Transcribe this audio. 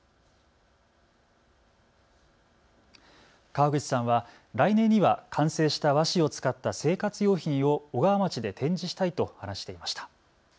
川口さんは来年には完成した和紙を使った生活用品を小川町で展示したいと話していました。